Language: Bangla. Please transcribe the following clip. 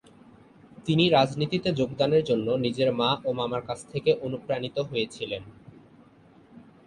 তিনি রাজনীতিতে যোগদানের জন্য নিজের মা ও মামার কাছ থেকে অনুপ্রাণিত হয়েছিলেন।